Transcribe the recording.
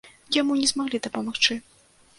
Яму не змаглі дапамагчы.